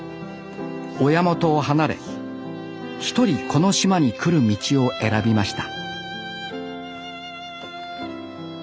親元を離れ１人この島に来る道を選びました